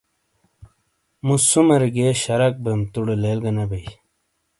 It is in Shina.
مُو سُومیر گئیے شرک بیم ےتوڑے لیل گہ نے بئیی۔